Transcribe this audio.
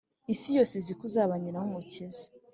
isi yose iziko uzaba nyina w’umukiza